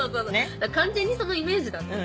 完全にそのイメージだったよね。